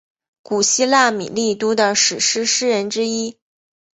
古希腊米利都的史诗诗人之一。